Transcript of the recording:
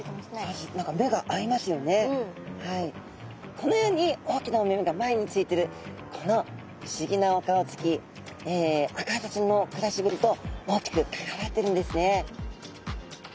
このように大きなお目目が前についてるこの不思議なお顔つきアカハタちゃんの暮らしぶりと大きく関わってるんですね。